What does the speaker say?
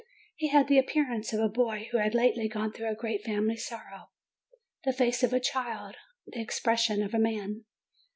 He had the ap pearance of a boy who had lately gone through a great family sorrow, the face of a child, the expres sion of a man.